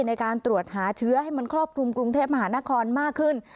ในการตรวจหาเชื้อให้มันครอบคลุมกรุงเทพมหานครมากขึ้น